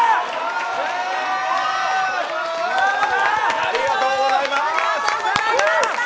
ありがとうございます！